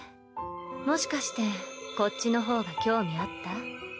もしかしてこっちの方が興味あった？